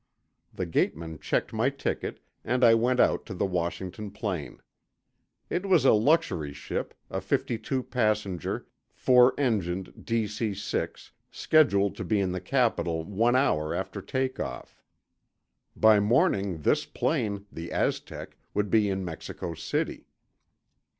The gateman checked my ticket, and I went out to the Washington plane. It was a luxury ship, a fifty two passenger, four engined DC 6, scheduled to be in the capital one hour after take off. By morning this plane, the Aztec, would be in Mexico City.